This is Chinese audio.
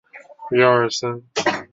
不以追求顺差为目标